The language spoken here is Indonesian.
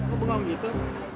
kok bengong gitu